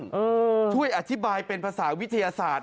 ช่วยอธิบายเป็นภาษาวิทยาศาสตร์